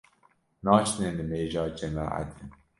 Naçine nimêja cemaetê